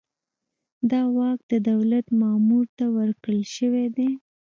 دا واک د دولت مامور ته ورکړل شوی دی.